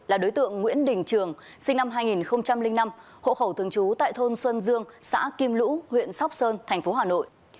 là đối tượng nguyễn đình trường sinh năm hai nghìn năm hộ khẩu thường trú tại thôn xuân dương xã kim lũ huyện sóc sơn thành phố hà nội